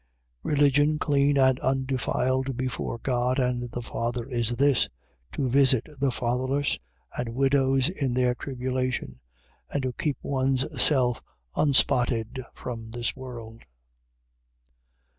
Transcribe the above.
1:27. Religion clean and undefiled before God and the Father is this: to visit the fatherless and widows in their tribulation and to keep one's self unspotted from this world.